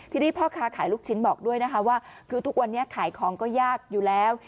ทีนี้พ่อค้าขายลูกชิ้นบอกด้วยนะคะว่าคือทุกวันนี้ขายของก็ยากอยู่แล้ว